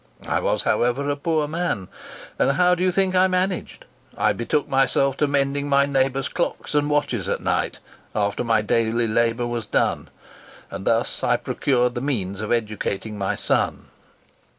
I was, however, a poor man; and how do you think I managed? I betook myself to mending my neighbours' clocks and watches at nights, after my daily labour was done, and thus I procured the means of educating my son."